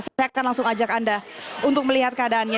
saya akan langsung ajak anda untuk melihat keadaannya